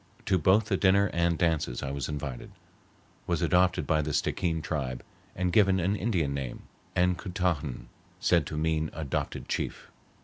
To both the dinner and dances I was invited, was adopted by the Stickeen tribe, and given an Indian name (Ancoutahan) said to mean adopted chief.